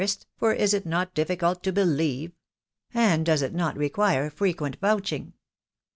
481 est, for is it not difficult to believe ? And doe* it not require frequent vouching